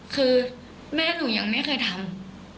คือแม่หนูยังไม่เคยทำ